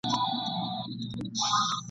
هره ورځ ورته اختر کی هره شپه یې برات غواړم !.